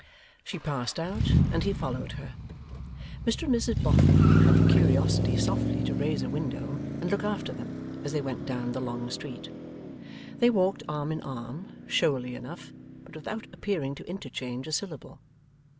She passed out and he followed her. Mr and Mrs Boffin had the curiosity softly to raise a window and look after them as they went down the long street. They walked arm in arm, showily enough, but without appearing to interchange a syllable.